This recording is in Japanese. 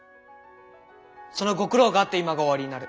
そのご苦労があって今がおありになる。